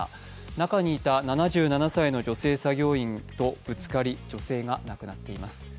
中にいた７７歳の女性作業員とぶつかり女性が亡くなっています。